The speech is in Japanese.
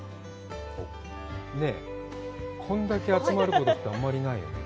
これだけ集まることって、あんまりないよね。